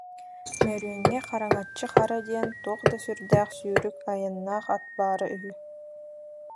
Мөрүөҥҥэ Хараҥаччы Хара диэн туох да сүрдээх сүүрүк, айаннаах ат баара үһү